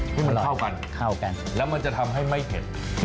มันเหลือเหลือคร่าวกันแล้วมันจะทำให้ไม่เผ็ด